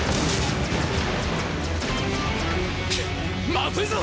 まずいぞ！